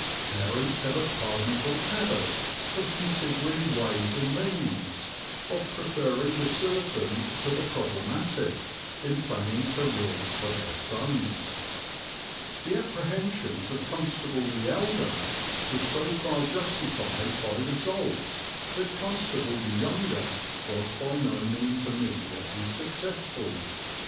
Parents have a pardonable habit of considering ways and means, of preferring the certain to the problematic, in planning careers for their sons. The apprehensions of Constable the elder were so far justified by results that Constable the younger was by no means immediately successful.